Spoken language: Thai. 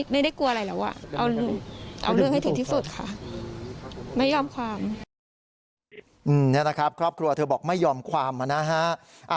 นี่นะครับครอบครัวเธอบอกไม่ยอมความนะฮะ